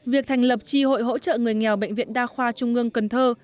việc thành lập tri hội hỗ trợ người nghèo bệnh viện đa khoa trung ương cần thơ